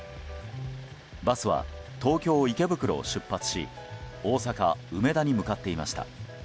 バスは東京・池袋を出発し大阪・梅田に向かっていました。